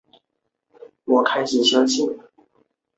妳们喜欢就好